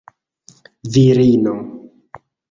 virino